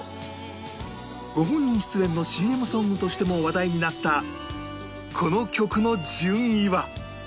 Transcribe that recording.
ご本人出演の ＣＭ ソングとしても話題になったこの曲の順位は？